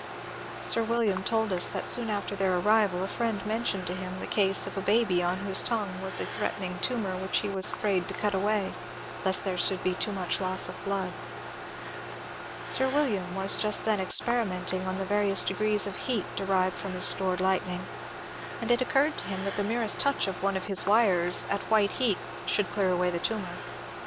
Sir William told us that soon after their arrival a friend mentioned to him the case of a baby on whose tongue was a threatening tumour which he was afraid to cut away, lest there should be too much loss of blood. Sir William was just then experimenting on the various degrees of heat derived from his stored lightning, and it occurred to him that the merest touch of one of his wires at white heat could clear away the tumour.